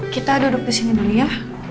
kita duduk disini dulu ya